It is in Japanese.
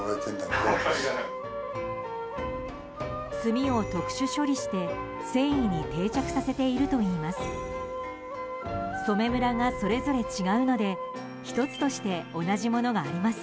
炭を特殊処理して繊維に定着させているといいます。